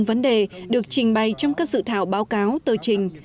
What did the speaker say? bốn vấn đề được trình bày trong các dự thảo báo cáo tờ trình